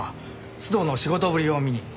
須藤の仕事ぶりを見に。